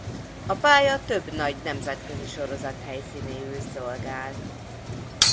A pálya több nagy nemzetközi sorozat helyszínéül szolgál.